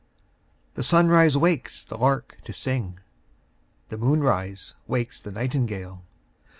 The sunrise wakes the lark to sing, The moonrise wakes the nightingale.